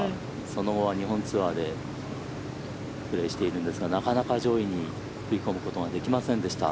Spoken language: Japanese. その後は日本ツアーでプレーしているんですがなかなか上位に食い込むことができませんでした。